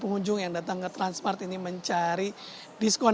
pengunjung yang datang ke transmart ini mencari diskon